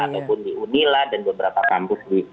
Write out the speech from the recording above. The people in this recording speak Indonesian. ataupun di unila dan beberapa kampus di